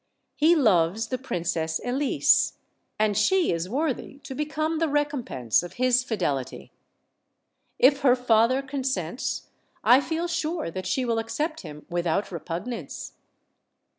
He loves the Princess Elise, and she is worthy to become the recompense of his fidelity. If her father consents I feel sure that she will accept him without repugnance."